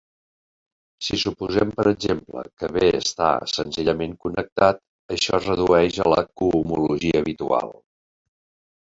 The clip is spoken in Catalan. Si suposem, per exemple, que "B" està senzillament connectat, això es redueix a la cohomologia habitual.